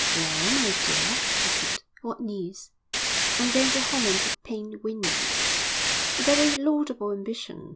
'Well, my dear,' he said, 'what news?' 'I'm going to Holland to paint windmills.' 'A very laudable ambition.